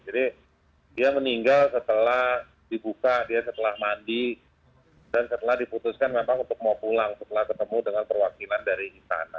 jadi dia meninggal setelah dibuka dia setelah mandi dan setelah diputuskan untuk mau pulang setelah ketemu dengan perwakilan dari sana